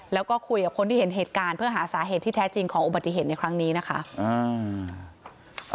แล้วก็คุยกับคนที่เห็นเหตุการณ์เพื่อหาสาเหตุที่แท้จริงของอุบัติเหตุในครั้งนี้นะคะ